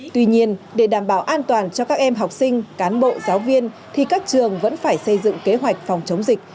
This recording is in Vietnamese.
tuy nhiên để đảm bảo an toàn cho các em học sinh cán bộ giáo viên thì các trường vẫn phải xây dựng kế hoạch phòng chống dịch